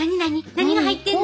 何が入ってんの？